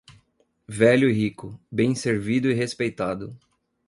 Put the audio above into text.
Velho e rico, bem servido e respeitado.